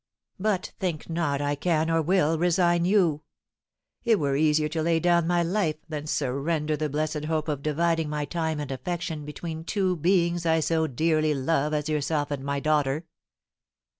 "But think not I can or will resign you! It were easier to lay down my life than surrender the blessed hope of dividing my time and affection between two beings I so dearly love as yourself and my daughter."